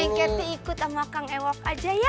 neng keti ikut sama kang ewok aja ya